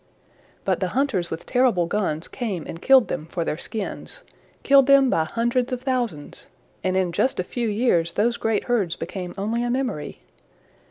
"But the hunters with terrible guns came and killed them for their skins, killed them by hundreds of thousands, and in just a few years those great herds became only a memory.